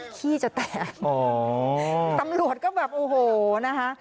ขี้จะแตกตำรวจก็แบบโอ้โหนะคะ